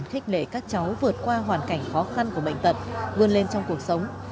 khích lệ các cháu vượt qua hoàn cảnh khó khăn của bệnh tật vươn lên trong cuộc sống